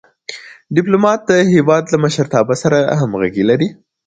ډيپلومات د هېواد له مشرتابه سره همږغي لري.